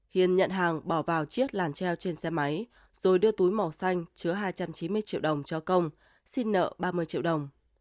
hiền nhận hàng bỏ vào chiếc làn treo trên xe máy rồi đưa túi màu xanh chứa hai trăm chín mươi triệu đồng cho công xin nợ ba mươi triệu đồng